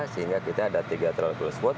sehingga kita ada tiga trouble spot